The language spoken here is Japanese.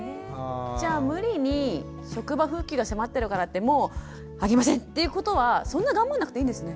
じゃあ無理に職場復帰が迫ってるからってもうあげませんっていうことはそんな頑張んなくていいんですね。